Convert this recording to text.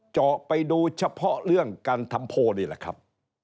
เจาะไปดูเฉพาะเรื่องการทำโพลนี่แหละครับ